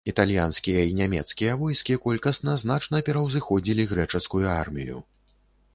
Італьянскія і нямецкія войскі колькасна значна пераўзыходзілі грэчаскую армію.